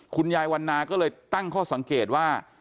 คุณยายวันนาก็เลยตั้งข้อสังเกตว่า